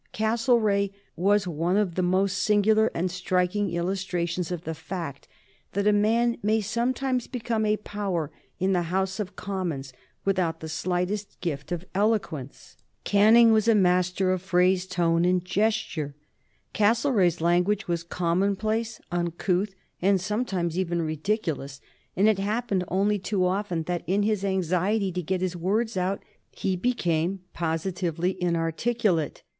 Castlereagh was one of the most singular and striking illustrations of the fact that a man may sometimes become a power in the House of Commons without the slightest gift of eloquence. Canning was a master of phrase, tone, and gesture. Castlereagh's language was commonplace, uncouth, and sometimes even ridiculous, and it happened only too often that in his anxiety to get his words out he became positively inarticulate.